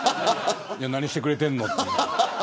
何してくれてんのと。